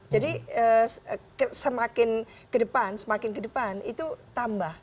jadi semakin ke depan semakin ke depan itu tambah